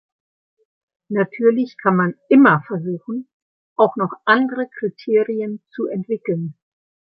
Natürlich kann man immer versuchen, auch noch andere Kriterien zu entwickeln.